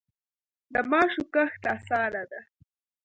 د ماشو کښت اسانه دی.